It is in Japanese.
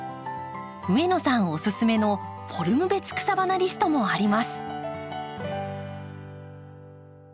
上野さんおすすめのフォルム別草花リストもあります。